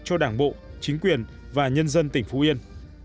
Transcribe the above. cho đảng bộ chính quyền và nhân dân tỉnh phú yên